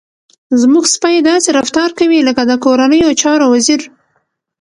زموږ سپی داسې رفتار کوي لکه د کورنیو چارو وزير.